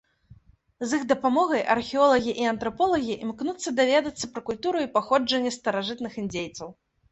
З іх дапамогай археолагі і антраполагі імкнуцца даведацца пра культуру і паходжанне старажытных індзейцаў.